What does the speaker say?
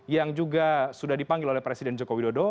yang juga sudah dipanggil oleh presiden joko widodo